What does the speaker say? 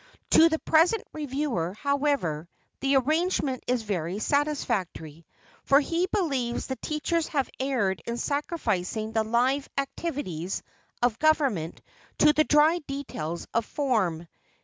To the present reviewer, however, the arrangement is very satisfactory, for he believes that teachers have erred in sacrificing the live activities of government to the dry details of form.